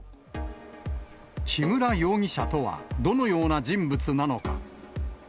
木村容疑者とはどのような人物なのか。